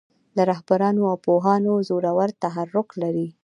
د رهبرانو او پوهانو زورور تحرک لري.